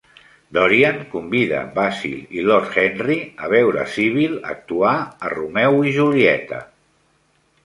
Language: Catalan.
Dorian convida Basil i Lord Henry a veure Sibyl actuar a "Romeu i Julieta".